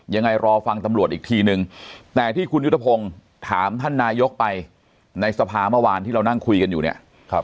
รอฟังตำรวจอีกทีนึงแต่ที่คุณยุทธพงศ์ถามท่านนายกไปในสภาเมื่อวานที่เรานั่งคุยกันอยู่เนี่ย